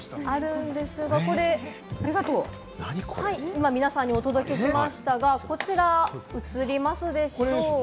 今あるんですが、これ、お届けしましたが、こちら映りますでしょうか？